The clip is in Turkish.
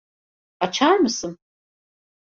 Açar mısın?